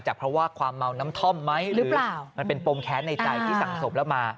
เพราะว่าความเมาน้ำท่อมไหมหรือมันเป็นปมแค้นในใจที่สั่งศพแล้วมา